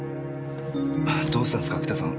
どうしたんすかキタさん。